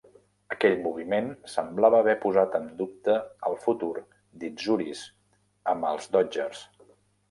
Aquell moviment semblava haver posat en dubte el futur d'Izturis amb els Dodgers.